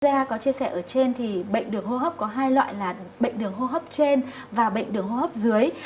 bệnh đường hô hấp có hai loại là bệnh đường hô hấp trên và bệnh đường hô hấp dưới